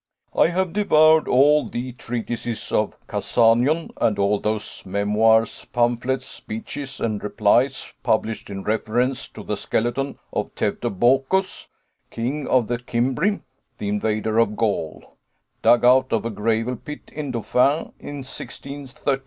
I have devoured all the treatises of Cassanion, and all those memoirs, pamphlets, speeches, and replies published in reference to the skeleton of Teutobochus, king of the Cimbri, the invader of Gaul, dug out of a gravel pit in Dauphine, in 1613.